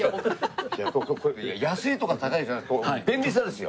いや安いとか高いじゃなく便利さですよ。